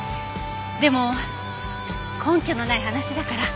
でも根拠のない話だから。